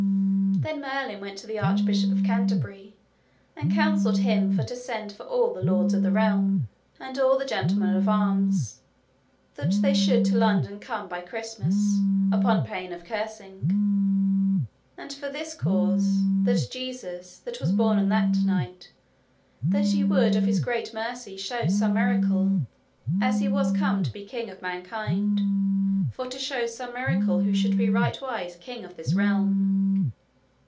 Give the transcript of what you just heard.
Then Merlin went to the Archbishop of Canterbury, and counselled him for to send for all the lords of the realm, and all the gentlemen of arms, that they should to London come by Christmas, upon pain of cursing; and for this cause, that Jesus, that was born on that night, that he would of his great mercy show some miracle, as he was come to be king of mankind, for to show some miracle who should be rightwise king of this realm.